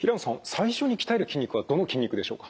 最初に鍛える筋肉はどの筋肉でしょうか。